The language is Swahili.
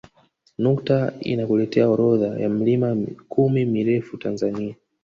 Nukta inakuletea orodha ya milima kumi mirefu Tanzania